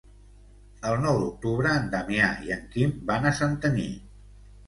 El nou d'octubre en Damià i en Quim van a Santanyí.